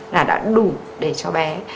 là đã đủ để cho bé